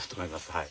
はい。